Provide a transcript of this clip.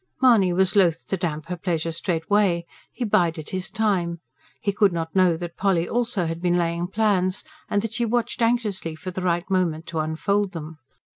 Mahony was loath to damp her pleasure straightway; he bided his time. He could not know that Polly also had been laying plans, and that she watched anxiously for the right moment to unfold them.